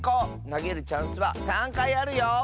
なげるチャンスは３かいあるよ！